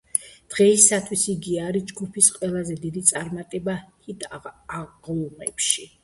დღეისათვის იგი არის ჯგუფის ყველაზე დიდი წარმატება ჰიტ-აღლუმებში.